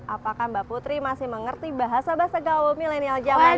apakah mbak putri masih mengerti bahasa bahasa gaul milenial zaman dulu